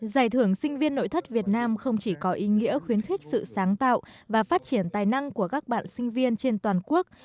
giải thưởng sinh viên nội thất việt nam không chỉ có ý nghĩa khuyến khích sự sáng tạo và phát triển tài năng của các bạn sinh viên trên toàn quốc